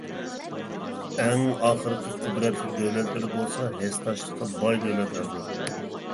ئەڭ ئاخىرقى قۇدرەتلىك دۆلەتلەر بولسا ھېسداشلىققا باي دۆلەتلەردۇر.